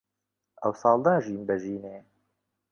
ئەوساڵ ناژیم بە ژینێ